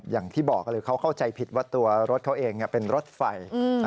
อย่างที่บอกเลยเขาเข้าใจผิดว่าตัวรถเขาเองเป็นรถไฟ